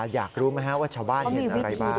อยากรู้ไหมครับว่าชาวบ้านเห็นอะไรบ้าง